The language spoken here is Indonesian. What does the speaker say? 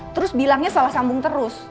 terus bilangnya salah sambung terus